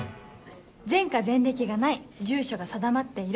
前科前歴がない住所が定まっている。